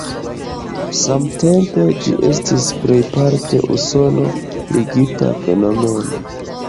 Samtempe ĝi estis plejparte usono-ligita fenomeno.